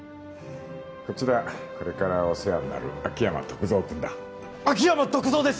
こちらこれからお世話になる秋山篤蔵君だ秋山篤蔵です